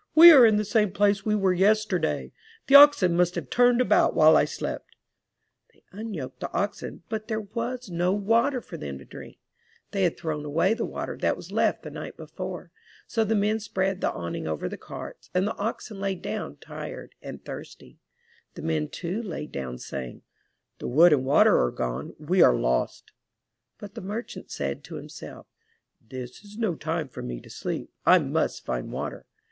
"We are in the same place where we were yesterday. The oxen must have turned about while I slept." They unyoked the oxen, but there was no water 201 MY BOOK HOUSE for them to drink. They had thrown away the water that was left the night before. So the men spread the awning over the carts, and the oxen lay down tired and thirsty. The men, too, lay down saying, *The wood and water are gone — we are lost.'' But the merchant said to himself, 'This is no time for me to sleep. I must find water.